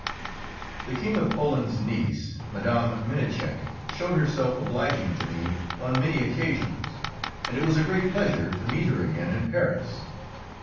The King of Poland's niece, Mme. Menicheck, showed herself obliging to me on many occasions, and it was a great pleasure to meet her again in Paris.